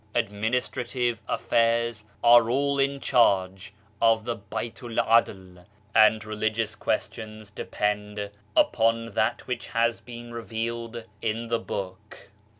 Administrative affairs 146 BAHAISM are all in charge of the Baitu'l 'Adl, and religious questions depend upon that which has been revealed in the Book."